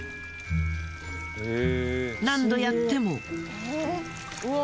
何度やっても。